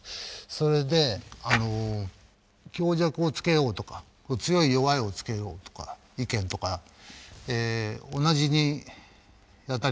それであの強弱をつけようとか強い弱いをつけようとか意見とか同じにやったりもしました。